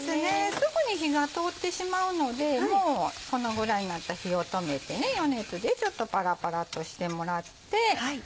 すぐに火が通ってしまうのでこのぐらいになったら火を止めて余熱でちょっとパラパラとしてもらって。